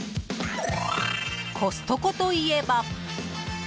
コストコといえば。